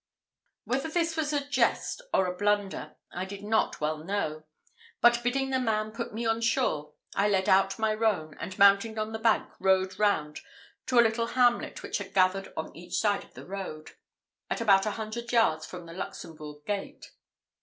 Whether this was a jest or a blunder, I did not well know; but bidding the man put me on shore, I led out my roan, and mounting on the bank, rode round to a little hamlet which had gathered on each side of the road, at about a hundred yards from the Luxembourg gate.